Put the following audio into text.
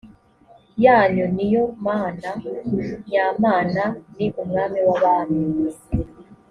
yanyu ni yo mana nyamana ni umwami w abami